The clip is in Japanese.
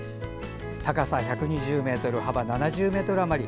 高さ１２０ｍ幅が７０ｍあまり。